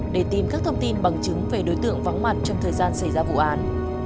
để tìm các thông tin bằng chứng về đối tượng vắng mặt trong thời gian xảy ra vụ án